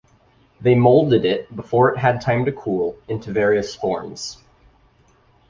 They molded it, before it had time to cool, into various forms.